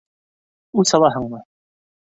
Үс алаһыңмы?